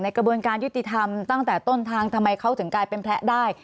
กระบวนการยุติธรรมตั้งแต่ต้นทางทำไมเขาถึงกลายเป็นแพ้ได้